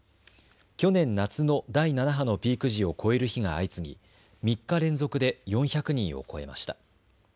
去年夏の第７波のピーク時を超える日が相次ぎ、３日連続で４００人を超えました。